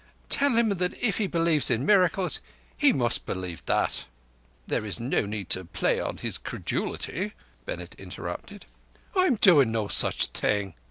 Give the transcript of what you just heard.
Tell him that if he believes in miracles he must believe that—" "There is no need to play on his credulity," Bennett interrupted. "I'm doing no such thing.